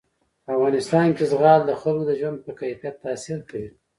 په افغانستان کې زغال د خلکو د ژوند په کیفیت تاثیر کوي.